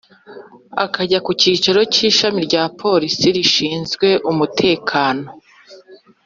akajya ku kicaro cy’ishami rya Polisi rishinzwe umutekano